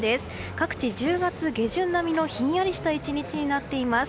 各地、１０月下旬並みのひんやりした１日になっています。